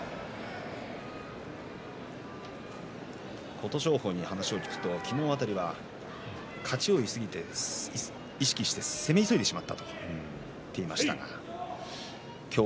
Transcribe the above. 琴勝峰に話を聞くと昨日辺りは勝ちを意識して攻め急いでしまったと話していました。